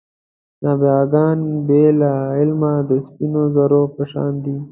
نابغه ګان بې له علمه د سپینو زرو په شان دي.